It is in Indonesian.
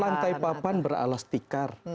lantai papan beralas tikar